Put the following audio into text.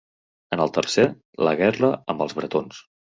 En el tercer, la guerra amb els bretons.